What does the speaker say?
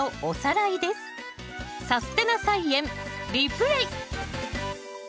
「さすてな菜園リプレイ」！